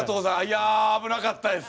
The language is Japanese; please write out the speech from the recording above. いや危なかったです。